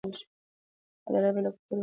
عدالت باید له کلتوره وزېږي.